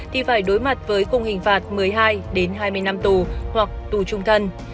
thì phải đối mặt với cùng hình phạt một mươi hai đến hai mươi năm tù hoặc tù trung thân